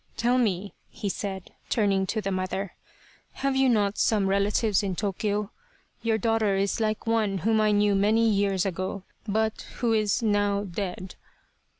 " Tell me," he said, turning to the mother, " have you not some relatives in Tokyo ? Your daughter is like one whom I knew many years ago, but who is now dead."